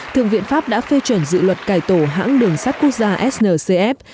thượng viện pháp đã phê chuẩn dự luật cải tổ hãng đường sắt quốc gia sncf